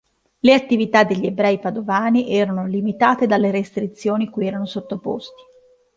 Le attività degli ebrei padovani erano limitate dalle restrizioni cui erano sottoposti.